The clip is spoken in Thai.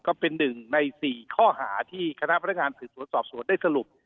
ก็เป็นหนึ่งใน๔ข้อหาที่คณะพนักงานสืบสวนสอบสวนได้สรุป